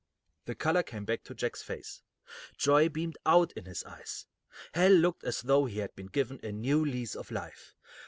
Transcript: The color came back to Jack's face. Joy beamed out in his eyes. Hal looked as though he had been given a new lease of life.